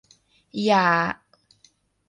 อย่า